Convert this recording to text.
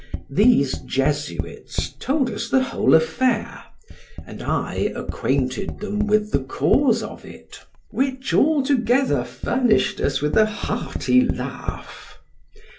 These Jesuits told us the whole affair, and I acquainted them with the cause of it, which altogether furnished us with a hearty laugh.